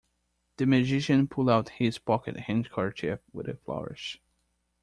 The magician pulled out his pocket handkerchief with a flourish.